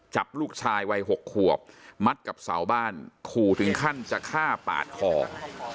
จับลูกชายวัย๖ขวบมัดกับเสาบ้านขู่ถึงขั้นจะฆ่าปาดคอ